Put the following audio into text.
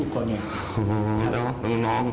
คือเราก็ดีกับทุกคนอย่างนี้